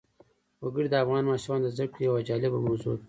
وګړي د افغان ماشومانو د زده کړې یوه جالبه موضوع ده.